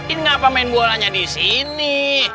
ini kenapa main bolanya di sini